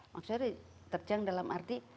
maksudnya terjang dalam arti